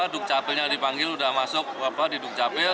duk capilnya dipanggil sudah masuk di duk capil